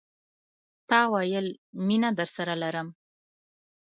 تا ویل، مینه درسره لرم